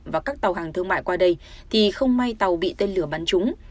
và các tàu hàng thương mại qua đây thì không may tàu bị tên lửa bắn trúng